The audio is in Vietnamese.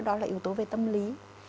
đó là yếu tố về tâm lý